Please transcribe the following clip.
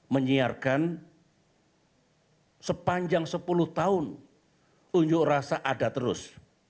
menyiarkan sepanjang sepuluh tahun unjuk rasa ada terus